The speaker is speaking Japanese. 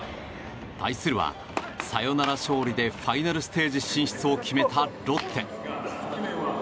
対するはサヨナラ勝利でファイナルステージ進出を決めたロッテ。